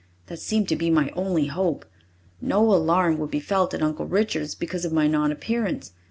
That seemed to be my only hope. No alarm would be felt at Uncle Richard's because of my non appearance.